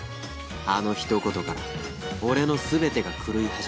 あのひと言から俺の全てが狂い始めた